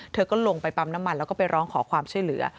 เธอก็ลงไปปั๊มน้ำมันแล้วก็ไปร้องขอความช่วยเหลือ